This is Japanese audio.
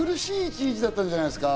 目まぐるしい一日だったんじゃないですか？